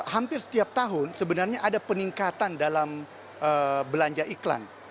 hampir setiap tahun sebenarnya ada peningkatan dalam belanja iklan